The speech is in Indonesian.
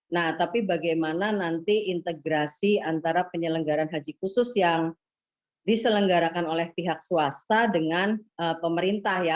nah tapi bagaimana nanti integrasi antara penyelenggaran haji khusus yang diselenggarakan oleh pihak swasta dengan pemerintah ya